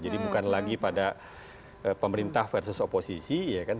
jadi bukan lagi pada pemerintah versus oposisi ya kan